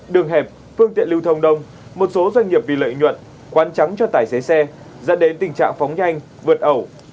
đường hẹp phương tiện lưu thông đông một số doanh nghiệp vì lợi nhuận quan trắng cho tài xế xe dẫn đến tình trạng phóng nhanh vượt ẩu